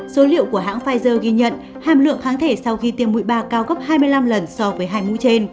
số liệu của hãng pfizer ghi nhận hàm lượng kháng thể sau khi tiêm mũi ba cao gấp hai mươi năm lần so với hai mũi trên